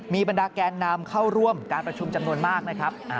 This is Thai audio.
มีบรรดาแกนนำเข้าร่วมการประชุมจำนวนมากนะครับ